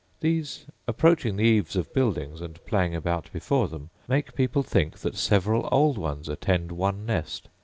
These approaching the eaves of buildings, and playing about before them, make people think that several old ones attend one nest.